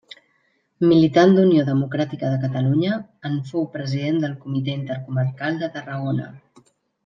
Militant d'Unió Democràtica de Catalunya, en fou president del comitè intercomarcal de Tarragona.